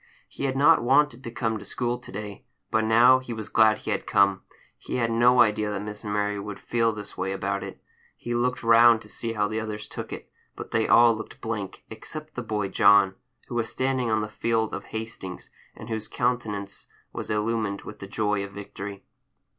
He had not wanted to come to school to day, but now he was glad he had come. He had no idea that Miss Mary would feel this way about it. He looked round to see how the others took it, but they all looked blank, except the boy John, who was standing on the field of Hastings, and whose countenance was illumined with the joy of victory.